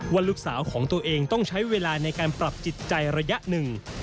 ว่าลูกสาวของตัวเองต้องใช้เวลาในการปรับจิตใจระยะหนึ่ง